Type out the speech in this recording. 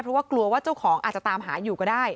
เพราะว่ากลัวว่าเจ้าของอาจจะตามหาอยู่ก็ได้